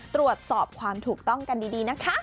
ตรวจสอบความถูกต้องกันดีนะคะ